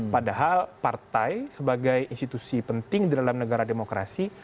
padahal partai sebagai institusi penting di dalam negara demokrasi